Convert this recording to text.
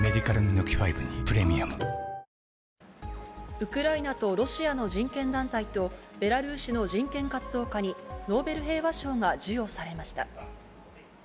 ウクライナとロシアの人権団体と、ベラルーシの人権活動家に、ノーベル平和賞が授与されました。